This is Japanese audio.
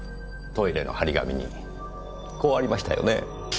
トイレの張り紙にこうありましたよね。